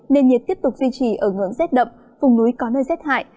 nên nhiệt tiếp tục duy trì ở ngưỡng z đậm vùng núi có nơi z hại